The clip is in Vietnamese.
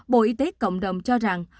bộ y tế cộng đồng cho rằng